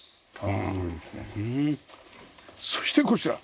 そしてこちら。